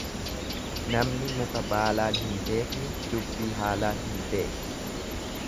Namni muka baalaan hin beekne dubbii haalaan hin beeku.